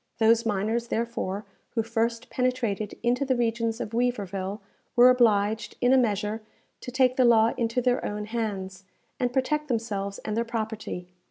Those miners, therefore, who first penetrated into the regions of Weaverville, were obliged, in a measure, to take the law into their own hands, and protect themselves and their property.